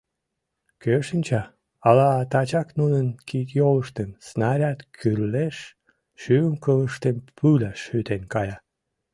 Кӧ шинча, ала тачак нунын кид-йолыштым снаряд кӱрлеш, шӱм-кылыштым пуля шӱтен кая?..